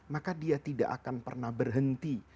maka dia tidak akan pernah berhenti